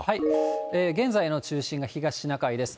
現在の中心が東シナ海です。